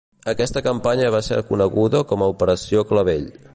Aquesta campanya va ser coneguda com a Operació Clavell.